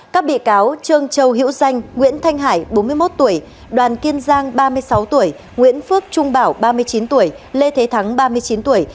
các bị cáo trương châu hiễu danh nguyễn thanh hải bốn mươi một tuổi đoàn kiên giang ba mươi sáu tuổi nguyễn phước trung bảo ba mươi chín tuổi lê thế thắng ba mươi chín tuổi